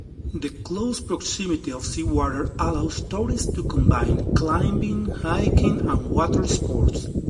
The close proximity of seawater allows tourists to combine climbing, hiking and water sports.